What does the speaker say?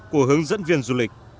của hướng dẫn viên du lịch